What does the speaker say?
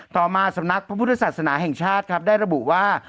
ต่อมาสำนักพระพุทธศาสนาแห่งชาติครับได้ระบุว่า